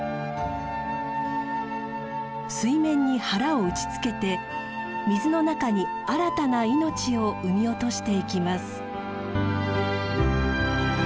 水面に腹を打ちつけて水の中に新たな命を産み落としていきます。